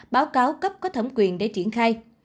báo cáo cấp có thẩm quyền để triển khai